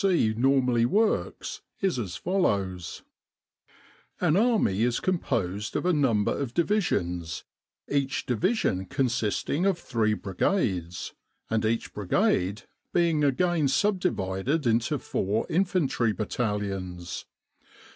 C. normally works is as follows : An Army is composed of a number of Divisions, each Division consisting of three Brigades, and each Brigade being again subdivided into four Infantry Battalions.